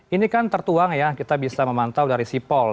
ini kan tertuang ya kita bisa memantau dari sipol